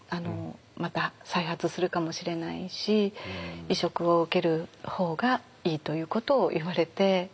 また再発するかもしれないし移植を受ける方がいいということを言われて。